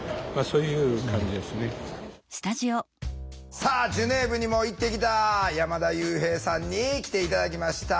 さあジュネーブにも行ってきた山田悠平さんに来て頂きました。